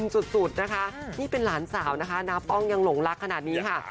สุดนะคะนี่เป็นหลานสาวนะคะน้าป้องยังหลงรักขนาดนี้ค่ะ